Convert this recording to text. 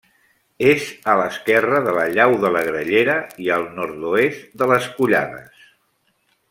És a l'esquerra de la llau de la Grallera i al nord-oest de les Collades.